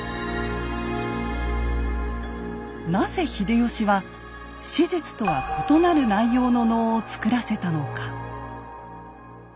なぜ秀吉は史実とは異なる内容の能を作らせたのか。